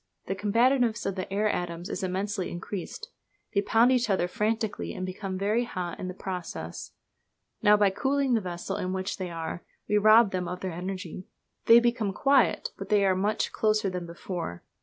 The combativeness of the air atoms is immensely increased. They pound each other frantically, and become very hot in the process. Now, by cooling the vessel in which they are, we rob them of their energy. They become quiet, but they are much closer than before.